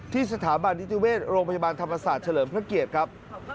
สถาบันนิติเวชโรงพยาบาลธรรมศาสตร์เฉลิมพระเกียรติครับ